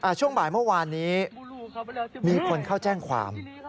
ช่วงบ่ายเมื่อวานนี้มีคนเข้าแจ้งความ